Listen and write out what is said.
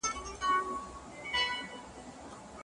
که وخت سم وکارول سي نو فرصت نه ضایع کېږي.